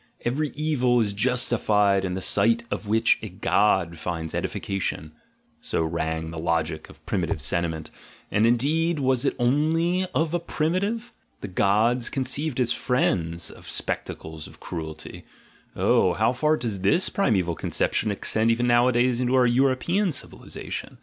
"Every evil is justified in the sight of which a god finds edification," so rang the logic of primitive sentiment — and, indeed, was it only of primitive? The gods conceived as friends of spectacles of cruelty — oh, how far does this primeval conception ex tend even nowadays into our European civilisation!